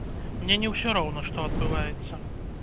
Мне не ўсё роўна, што адбываецца.